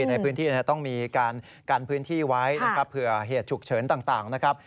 ในพื้นที่ต้องมีการกันพื้นที่ไว้นะครับเผื่อเหตุฉุกเฉินต่างนะครับ